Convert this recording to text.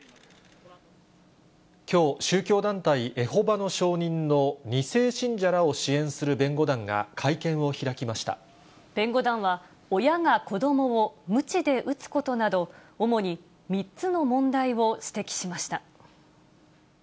きょう、宗教団体エホバの証人の２世信者らを支援する弁護団は、親が子どもをむちで打つことなど、主に３つの問題を指摘しました。